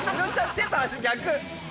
手と足逆！